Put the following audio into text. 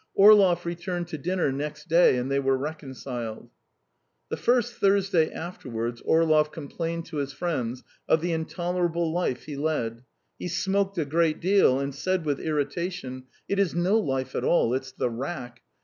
Orlov returned to dinner next day, and they were reconciled. The first Thursday afterwards Orlov complained to his friends of the intolerable life he led; he smoked a great deal, and said with irritation: "It is no life at all; it's the rack.